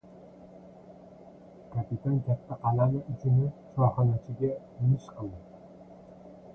Kapitan katta qalami uchini choyxonachiga nish qildi.